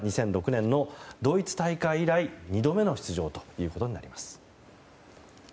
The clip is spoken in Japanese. ２００６年のドイツ大会以来２度目の出場となります。